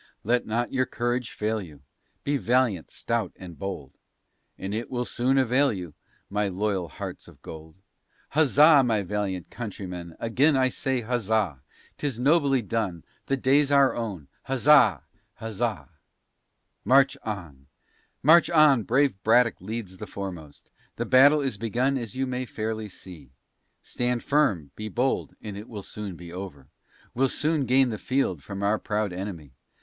Let not your courage fail you; Be valiant, stout and bold; And it will soon avail you, My loyal hearts of gold. Huzzah, my valiant countrymen! again I say huzzah! 'Tis nobly done, the day's our own, huzzah, huzzah! March on, march on, brave Braddock leads the foremost; The battle is begun as you may fairly see. Stand firm, be bold, and it will soon be over; We'll soon gain the field from our proud enemy.